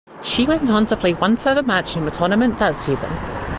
She went on to play one further match in the tournament that season.